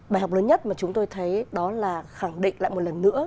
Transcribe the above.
bài học lớn nhất mà chúng tôi thấy đó là khẳng định lại một lần nữa